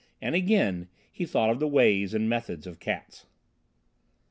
And again he thought of the ways and methods of cats.